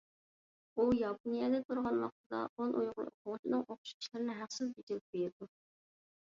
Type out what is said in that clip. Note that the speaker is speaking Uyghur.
ئۇ ياپونىيەدە تۇرغان ۋاقتىدا ئون ئۇيغۇر ئوقۇغۇچىنىڭ ئوقۇش ئىشلىرىنى ھەقسىز بېجىرىپ بېرىدۇ.